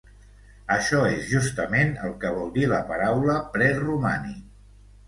Això és justament el que vol dir la paraula preromànic.